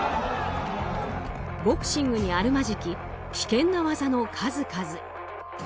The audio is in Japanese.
ボクシングにあるまじき危険な技の数々。